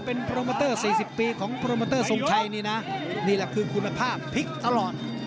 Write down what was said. เป็นโปรโมเตอร์๔๐ปีของโปรโมเตอร์ทรงชัยนี่นะนี่แหละคือคุณภาพพลิกตลอด